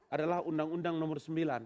adalah undang undang nomor sembilan